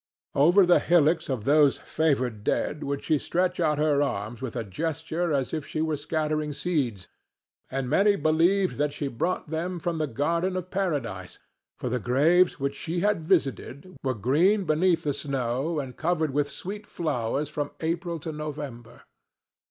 Over the hillocks of those favored dead would she stretch out her arms with a gesture as if she were scattering seeds, and many believed that she brought them from the garden of Paradise, for the graves which she had visited were green beneath the snow and covered with sweet flowers from April to November.